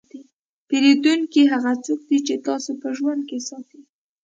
پیرودونکی هغه څوک دی چې تا په ژوند ساتي.